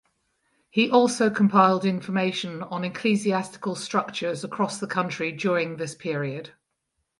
He also compiled information on ecclesiastical structures across the country during this period.